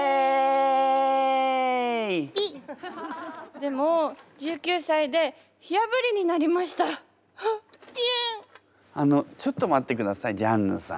でもあのちょっと待ってくださいジャンヌさん。